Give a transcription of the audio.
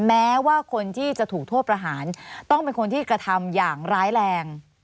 แม้ว่าคนที่จะถูกโทษประหารต้องเป็นคนที่กระทำอย่างร้ายแรง